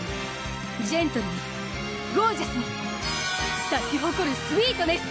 ジェントルにゴージャスに咲き誇るスウィートネス！